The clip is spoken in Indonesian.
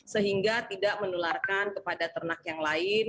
sehingga tidak menularkan kepada ternak yang lain